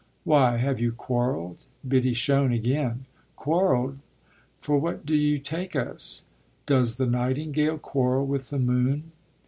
"Why, have you quarrelled?" Biddy shone again. "Quarrelled? For what do you take us? Docs the nightingale quarrel with the moon?"